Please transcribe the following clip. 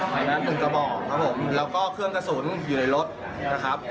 ใบนั้นหนึ่งกระบอกครับผมแล้วก็เครื่องกระสุนอยู่ในรถนะครับ